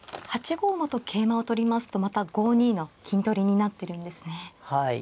８五馬と桂馬を取りますとまた５二の金取りになってるんですね。